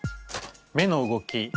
目の動き。